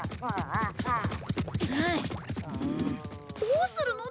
どうするの？